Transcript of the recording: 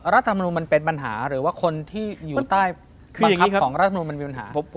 รัฐมนุนมันเป็นปัญหาหรือว่าคนที่อยู่ใต้บังคับของรัฐมนุนมันมีปัญหา